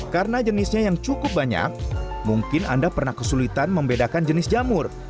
karena jenisnya yang cukup banyak mungkin anda pernah kesulitan membedakan jenis jamur